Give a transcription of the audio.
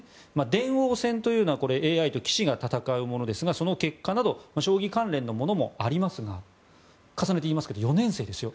電王戦というのはＡＩと棋士が戦うものですがその結果など将棋関連のものもありますが重ねて言いますけど４年生ですよ。